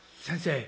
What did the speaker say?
先生！